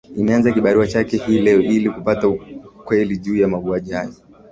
imeanza kibarua chake hii leo ili kupata ukweli juu ya mauaji hayo